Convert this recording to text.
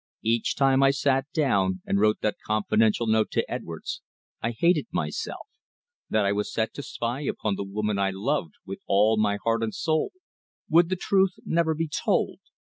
Each time I sat down and wrote that confidential note to Edwards, I hated myself that I was set to spy upon the woman I loved with all my heart and soul. Would the truth never be told?